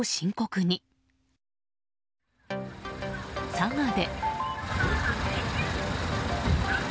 佐賀で。